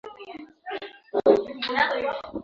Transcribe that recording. Na kizazi cha mwisho au utawala wa mwisho